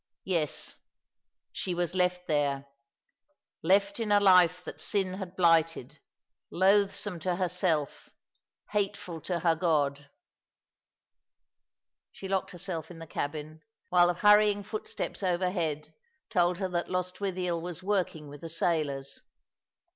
Yes, she was left there ; left in a life that sin had blighted ; loathsome to herself, hateful to her God. 3IO All along the River, She locked herself in the cabin, while the hurrying footsteps overhead told her that Lostwithiel was working with the sailors.